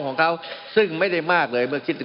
มันมีมาต่อเนื่องมีเหตุการณ์ที่ไม่เคยเกิดขึ้น